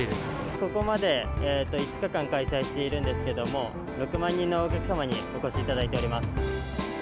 ここまで５日間開催しているんですけれども、６万人のお客様にお越しいただいております。